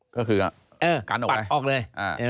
ก็คือกันออกเลย